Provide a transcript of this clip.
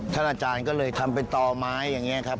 อาจารย์ก็เลยทำเป็นต่อไม้อย่างนี้ครับ